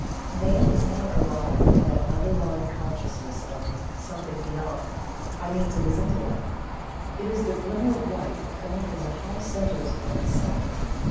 Man does not arrive at that underlying consciousness of "Something Beyond" by means of his Intellect it is the glimmer of light coming from the higher centers of the Self.